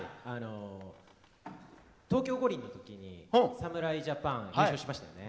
東京五輪のときに侍ジャパンが優勝しましたよね。